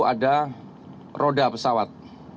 ada roda pesawat